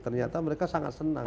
ternyata mereka sangat senang